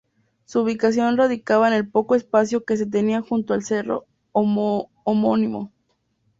Su ubicación radicaba en el poco espacio que se tenía junto al cerro homónimo.